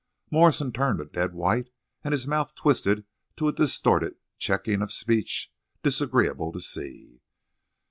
_" Morrison turned a dead white, and his mouth twisted to a distorted checking of speech, disagreeable to see.